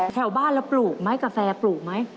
แถวบ้านเราปลูกไหมกาแฟปลูกไหม